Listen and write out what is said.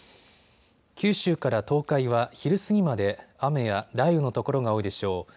九州から東海は昼過ぎまで雨や雷雨の所が多いでしょう。